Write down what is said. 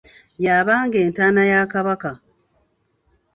Y'abanga entaana ya Kabaka.